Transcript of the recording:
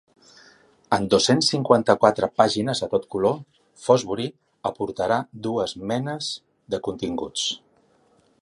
En dos-cents cinquanta-quatre pàgines a tot color, ‘Fosbury’ aportarà dues menes de continguts.